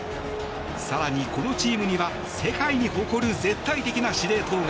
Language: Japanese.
更に、このチームには世界に誇る絶対的な司令塔が。